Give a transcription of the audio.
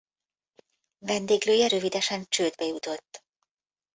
Vendéglője rövidesen csődbe jutott.